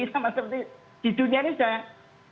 sama seperti di dunia ini sudah